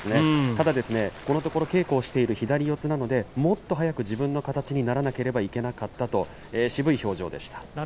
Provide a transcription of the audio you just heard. ただ、このところ稽古している左四つなのでもっと早く自分の形にならなければいけなかったと渋い表情でした。